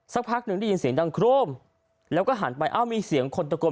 สักพักหนึ่งได้ยินเสียงดังโครมแล้วก็หันไปเอ้ามีเสียงคนตะโกน